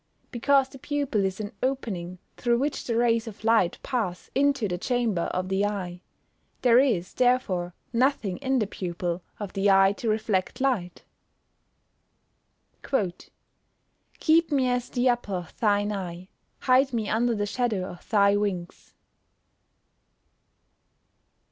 _ Because the pupil is an opening through which the rays of light pass into the chamber of the eye. There is, therefore, nothing in the pupil, of the eye to reflect light. [Verse: "Keep me as the apple of thine eye; hide me under the shadow of thy wings."